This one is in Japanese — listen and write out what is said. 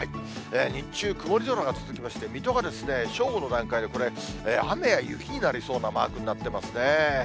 日中、曇り空が続きまして、水戸が正午の段階で、これ、雨や雪になりそうなマークになっていますね。